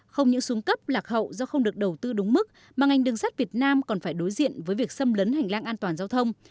không những xuống cấp lạc hậu do không được đầu tư đúng mức mà ngành đường sắt việt nam còn phải đối diện với việc xâm lấn hành lang an toàn giao thông